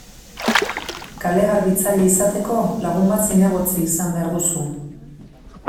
Kale-garbitzaile izateko, lagun bat zinegotzi izan behar duzu.